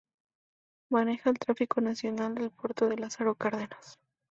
Maneja el tráfico nacional del puerto de Lázaro Cárdenas.